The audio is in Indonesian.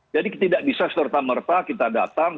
jadi tidak bisa serta merta kita datang